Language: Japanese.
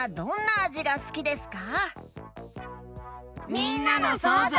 みんなのそうぞう。